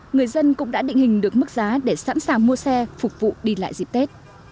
người dân cũng đã định hình được mức giá để sẵn sàng mua xe phục vụ đi lại dịp tết